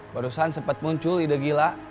barusan sempat muncul ide gila